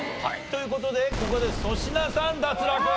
という事でここで粗品さん脱落！